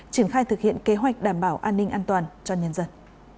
triển khai thực hiện kế hoạch đảm bảo an ninh an toàn cho nhân dân